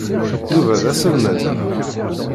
Yuba d aselmad, naɣ?